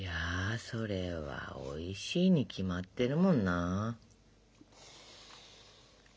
それはおいしいに決まってるもんな。